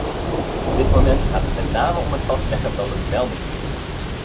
Op dit moment gaat het met name om het vastleggen van een meldingsplicht.